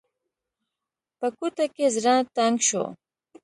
په کوټه کې زړه تنګ شو.